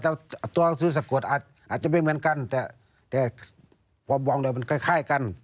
แต่ตัวซื้อสกุลอาจอาจจะไม่เหมือนกันแต่แต่พอบอกแล้วมันคล้ายคล้ายกัน